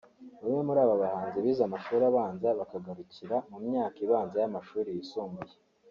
Bamwe muri aba bahanzi bize amashuri abanza bakagarukira mu myaka ibanza y’amashuri yisumbuye